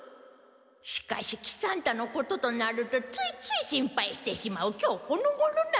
しかし喜三太のこととなるとついつい心配してしまう今日このごろなのじゃ。